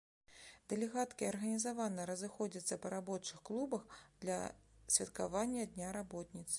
Дэлегаткі арганізавана разыходзяцца па рабочых клубах для святкавання дня работніцы.